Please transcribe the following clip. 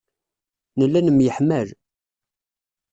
Nella nemyeḥmal.